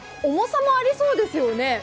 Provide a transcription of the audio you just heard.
重さもありそうですよね